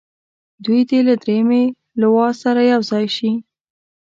دوی دې له دریمې لواء سره یو ځای شي.